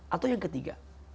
atau yang ketiga